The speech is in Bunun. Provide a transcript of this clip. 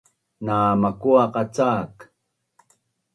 Na makuaqa cak?